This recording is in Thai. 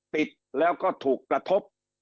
ติดแล้วก็ถูกกระทบ